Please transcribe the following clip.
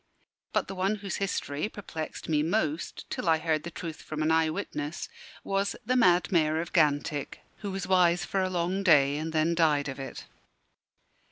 But the one whose history perplexed me most, till I heard the truth from an eye witness, was "the mad Mayor of Gantick, who was wise for a long day, and then died of it."